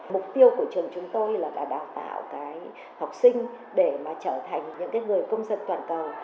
mục tiêu của trường chúng tôi là cả đào tạo cái học sinh để mà trở thành những người công dân toàn cầu